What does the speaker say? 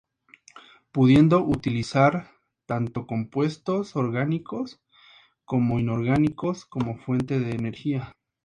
Pudiendo utilizar tanto compuestos orgánicos como inorgánicos como fuente de energía.